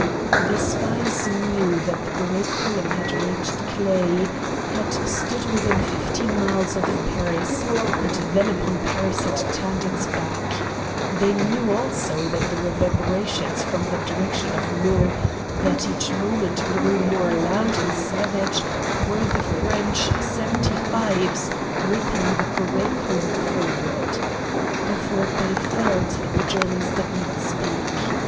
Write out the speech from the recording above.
The spies knew that the gray column had reached Claye, had stood within fifteen miles of Paris, and then upon Paris had turned its back. They knew also that the reverberations from the direction of Meaux, that each moment grew more loud and savage, were the French "seventy fives" whipping the gray column forward. Of what they felt the Germans did not speak.